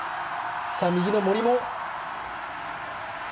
右の森も。